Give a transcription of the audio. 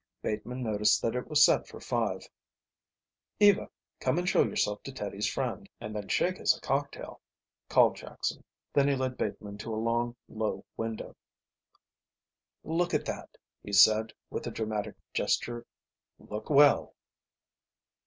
Bateman noticed that it was set for five. "Eva, come and show yourself to Teddie's friend, and then shake us a cocktail," called Jackson. Then he led Bateman to a long low window. "Look at that," he said, with a dramatic gesture. "Look well."